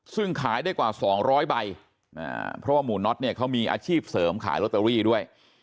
ซึ่งขายได้กว่า๒๐๐ใบเพราะว่าหมู่น็อตเนี่ยเขามีอาชีพเสริมขายลอตเตอรี่ด้วย